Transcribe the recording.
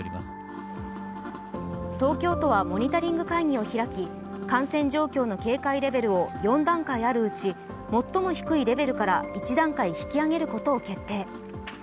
東京都はモニタリング会議を開き、感染状況の警戒レベルを４段階あるうち最も低いレベルから１段階引き上げることを決定。